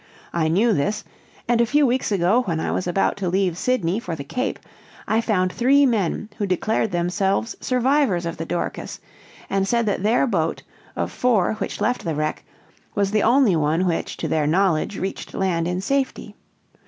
I knew this, and a few weeks ago, when I was about to leave Sydney for the Cape, I found three men who declared themselves survivors of the Dorcas and said that their boat, of four which left the wreck, was the only one which, to their knowledge, reached land in safety.